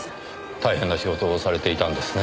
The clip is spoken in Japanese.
大変な仕事をされていたんですね